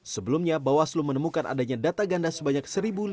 sebelumnya bawaslu menemukan adanya data ganda sebanyak satu